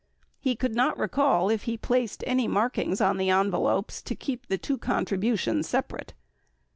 He could not recall if he placed any markings on the envelopes to keep the two con tributions separate.